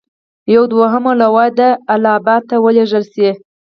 یوه دوهمه لواء دې اله اباد ته ولېږل شي.